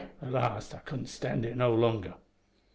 At last I couldn't stand it no longer.